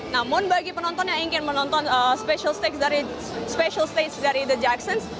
namun bagi penonton yang ingin menonton special stage dari the jacksons